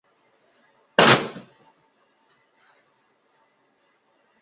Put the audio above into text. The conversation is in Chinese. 神南是东京都涩谷区的町名。